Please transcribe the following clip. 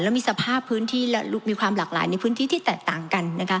และมีสภาพพื้นที่และมีความหลากหลายในพื้นที่ที่แตกต่างกันนะคะ